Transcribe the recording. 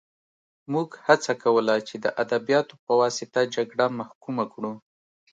موږ هڅه کوله چې د ادبیاتو په واسطه جګړه محکومه کړو